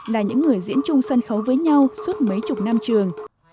là những người diễn chung sân khấu với nhau suốt mấy chục năm trường